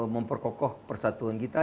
memperkokoh persatuan kita